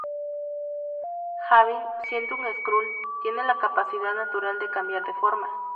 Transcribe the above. Xavin, siendo un skrull, tiene la capacidad natural de cambiar de forma.